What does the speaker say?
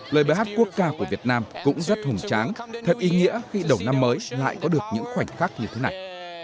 lời bài hát quốc ca của việt nam cũng rất hùng tráng thật ý nghĩa khi đầu năm mới lại có được những khoảnh khắc như thế này